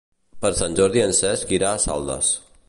Per Sant Jordi en Cesc irà a Saldes.